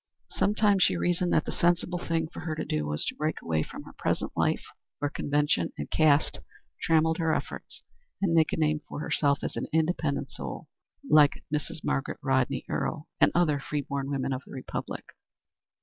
Sometimes she reasoned that the sensible thing for her to do was to break away from her present life, where convention and caste trammelled her efforts, and make a name for herself as an independent soul, like Mrs. Margaret Rodney Earle and other free born women of the Republic.